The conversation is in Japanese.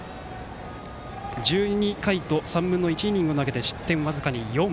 １２回と３分の１イニングを投げて失点僅かに４。